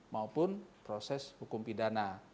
maupun proses hukum pidana